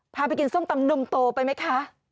พาไปกินส้มตำนมโตไปไหมคะ